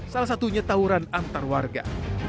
salah satunya tawuran antar warga